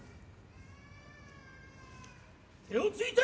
手をついて。